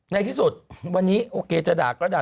ในที่สุดวันนี้โอเคจะด่าก็ด่า